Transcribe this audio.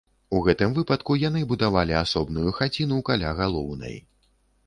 У гэтым выпадку яны будавалі асобную хаціну каля галоўнай.